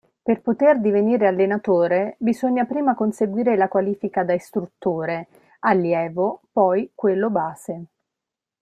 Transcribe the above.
Per poter divenire allenatore bisogna prima conseguire la qualifica da istruttore (allievo, poi quello base).